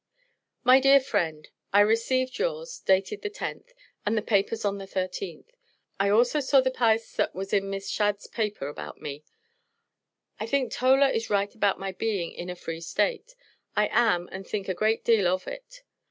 My Dear Friend: I receaved yours, Dated the 10th and the papers on the 13th, I also saw the pice that was in Miss Shadd's paper About me. I think Tolar is right About my being in A free State, I am and think A great del of it.